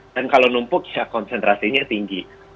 dan kalau numpuk ya konsentrasinya tinggi